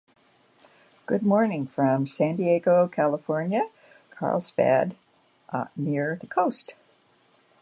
It is France's northernmost commune and includes the northernmost point in all of France.